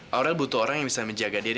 orang butuh orang yang bisa menjaga diri